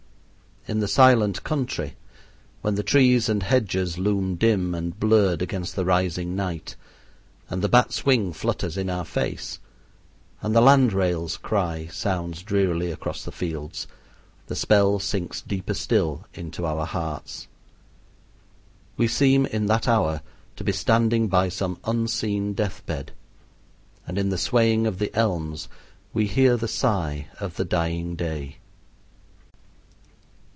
In the silent country, when the trees and hedges loom dim and blurred against the rising night, and the bat's wing flutters in our face, and the land rail's cry sounds drearily across the fields, the spell sinks deeper still into our hearts. We seem in that hour to be standing by some unseen death bed, and in the swaying of the elms we hear the sigh of the dying day.